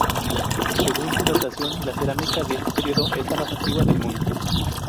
Según su datación, la cerámica de este período es la más antigua del mundo.